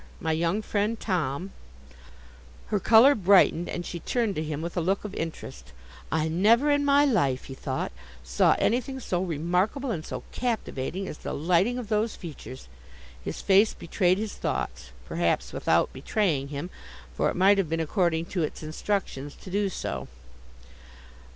My young friend Tom—' Her colour brightened, and she turned to him with a look of interest. 'I never in my life,' he thought, 'saw anything so remarkable and so captivating as the lighting of those features!' His face betrayed his thoughts—perhaps without betraying him, for it might have been according to its instructions so to do.